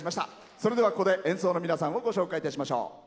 それでは、ここで演奏の皆さんをご紹介しましょう。